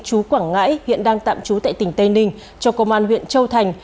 chú quảng ngãi hiện đang tạm trú tại tỉnh tây ninh cho công an huyện châu thành